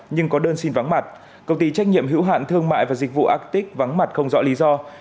nhưng có đơn xin vắng mặt công ty trách nhiệm hữu hạn thương mại và dịch vụ ácik vắng mặt không rõ lý do